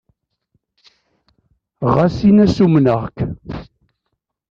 Ɣas in-as umneɣ-k.